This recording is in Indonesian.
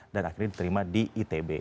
dan akhirnya diterima di itb